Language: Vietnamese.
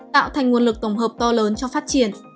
tạo thành nguồn lực tổng hợp to lớn cho phát triển